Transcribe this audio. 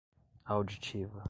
auditiva